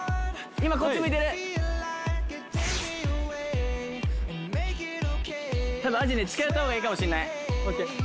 今こっち向いてる多分あじね近寄った方がいいかもしんない